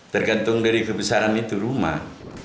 tergantung dari kebesaran itu rumah